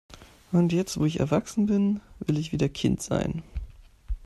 Und jetzt, wo ich erwachsen bin, will ich wieder Kind sein.